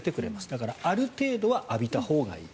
だからある程度は浴びたほうがいい。